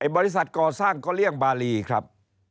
บริษัทก่อสร้างก็เลี่ยงบารีครับ